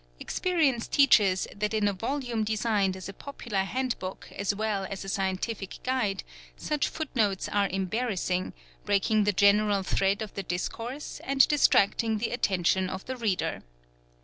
Experience teaches that in a volume designed as a popular handbook as well as a scientific guide, such foot notes are embarrassing, breaking the general thread of the discourse and distracting the attention of the reader.